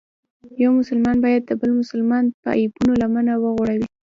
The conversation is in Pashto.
یو مسلمان باید د بل مسلمان په عیبونو لمنه وغوړوي.